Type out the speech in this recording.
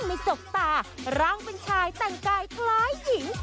จกตาร่างเป็นชายแต่งกายคล้ายหญิง